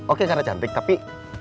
oke karena cantik tapi